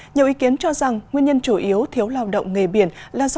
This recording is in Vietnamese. nhiều ý kiến cho rằng nguyên nhân chủ yếu thiếu lao động nghề biển là do